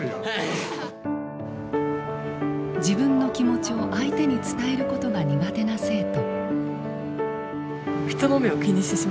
自分の気持ちを相手に伝えることが苦手な生徒。